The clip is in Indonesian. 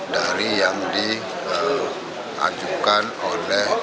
dari yang diajukan oleh